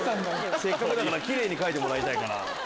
せっかくだからキレイに描いてもらいたいから。